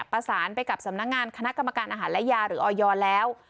ประสานไปกับสำนักงานคณะกรรมการอาหารและยาหรือออยแล้ว